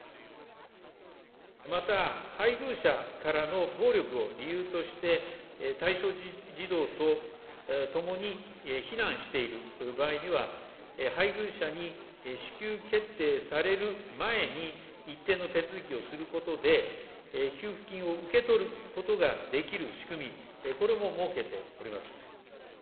また、配偶者からの暴力を理由として、対象児童と共に避難している場合には、配偶者に支給決定される前に、一定の手続きをすることで、給付金を受け取ることができる仕組み、これも設けております。